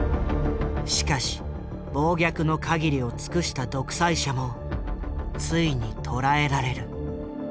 しかし暴虐の限りを尽くした独裁者もついに捕らえられる。